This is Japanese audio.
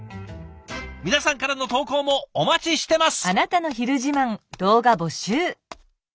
皆さんからの投稿もお待ちしてます！